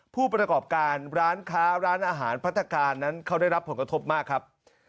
ผู้ประกอบการร้านค้าร้านอาหารพัฒนาการนั้นเขาได้รับผลกระทบมากครับ